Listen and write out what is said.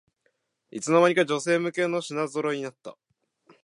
いつの間にか女性向けの品ぞろえになった